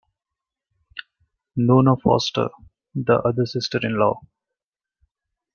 Nona Foster - the other sister-in-law.